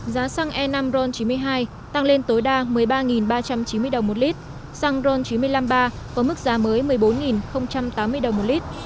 giá xăng e năm ron chín mươi hai tăng lên tối đa một mươi ba ba trăm chín mươi đồng một lít xăng ron chín trăm năm mươi ba có mức giá mới một mươi bốn tám mươi đồng một lít